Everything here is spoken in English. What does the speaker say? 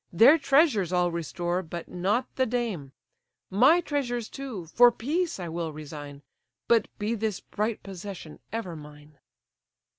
Their treasures I'll restore, but not the dame; My treasures too, for peace, I will resign; But be this bright possession ever mine."